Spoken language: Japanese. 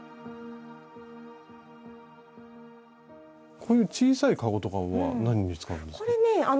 こういう小さいカゴとかは何に使うんです？